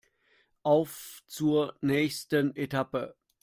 Auf zur nächsten Etappe!